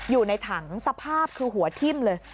อยู่ในถังสภาพคือหัวทิ่มเลย